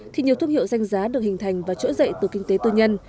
thì nhiều thương hiệu danh giá được hình thành và trỗi dậy từ kinh tế tư nhân